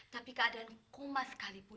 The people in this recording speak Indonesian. tapi keadaannya tidak terlalu baik